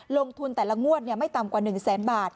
ลงทุนแต่ละงวดไม่ต่ำกว่า๑แสนบาท